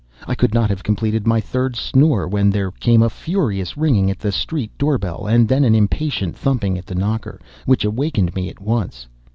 I could not have completed my third snore when there came a furious ringing at the street door bell, and then an impatient thumping at the knocker, which awakened me at once.